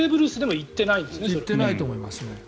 行ってないと思いますね。